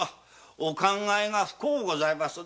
お考えが深うございますな。